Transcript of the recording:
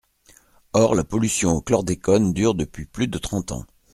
Or la pollution au chlordécone dure depuis plus de trente ans.